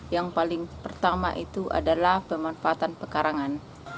yang paling pertama itu adalah pemanfaatan pekarangan